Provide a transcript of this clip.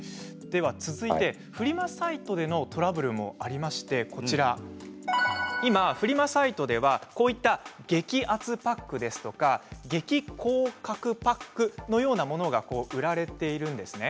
では続いてフリマサイトでのトラブルもありましてフリマサイトでは、こういった激アツパック、激高確パックのようなものが売られているんです。